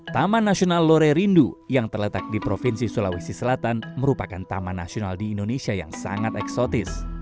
taman nasional lorerindu yang terletak di provinsi sulawesi selatan merupakan taman nasional di indonesia yang sangat eksotis